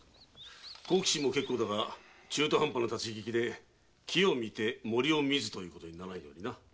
好奇心も結構だが中途半端な立ち聞きで「木を見て森を見ず」ということにならんようにな。